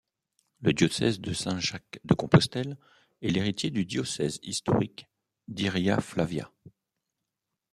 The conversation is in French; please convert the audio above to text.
Le diocèse de Saint-Jacques de Compostelle est l'héritier du diocèse historique d'Iria-Flavia.